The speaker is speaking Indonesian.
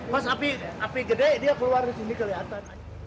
pas api gede dia keluar disini kelihatan